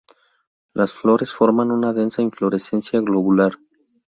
Las flores forman una densa inflorescencia globular.